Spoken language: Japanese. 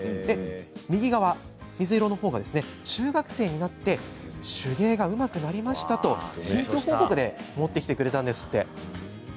右側、水色のほうが中学生になって手芸がうまくなりましたと近況報告で持ってきてくれたんですって。